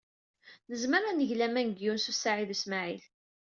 Nezmer ad neg laman deg Yunes u Saɛid u Smaɛil.